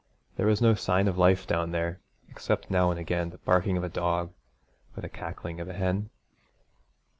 There was no sign of life down there except now and again the barking of a dog or the cackling of a hen.